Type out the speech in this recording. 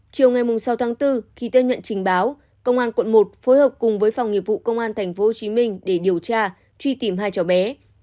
chiều ngày sáu tháng bốn khi tiếp nhận trình báo công an quận một phối hợp cùng với phòng nghiệp vụ công an tp hcm để điều tra truy tìm hai cháu bé